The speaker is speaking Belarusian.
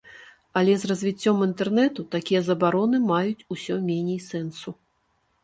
Але з развіццём інтэрнэту такія забароны маюць усё меней сэнсу.